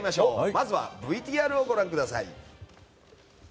まずは、ＶＴＲをご覧ください。